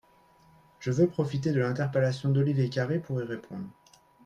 Je veux profiter de l’interpellation d’Olivier Carré pour y répondre.